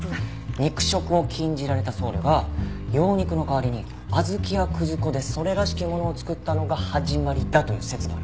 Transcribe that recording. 肉食を禁じられた僧侶が羊肉の代わりに小豆や葛粉でそれらしきものを作ったのが始まりだという説がある。